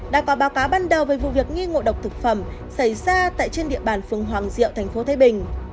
đã có báo cáo ban đầu về vụ việc nghi ngộ độc thực phẩm xảy ra trên địa bàn phương hoàng diệu tp thái bình